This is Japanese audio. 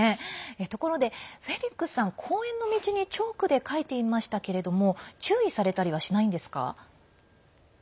ところでフェリックスさん公園の道にチョークで書いていましたけれど注意されたりはしないんですか？